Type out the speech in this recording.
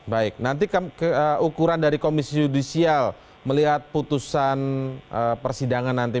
baik nanti ukuran dari komisi yudisial melihat putusan persidangan nanti